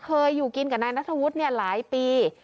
เคยอยู่กินกับนายนัทวุฒิหลายปี